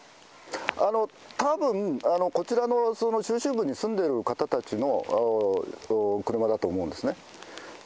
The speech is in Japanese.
たぶん、こちらの中心部に住んでいる方たちの車だと思うんですね。